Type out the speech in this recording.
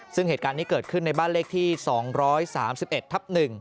ซึ่งเหตุการณ์นี้เกิดขึ้นในบ้านเลขที่๒๓๑ทับ๑